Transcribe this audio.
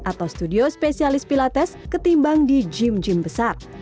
atau studio spesialis pilates ketimbang di gym gym besar